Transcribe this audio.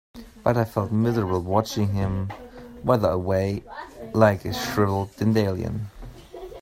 But I felt miserable watching him wither away like a shriveled dandelion.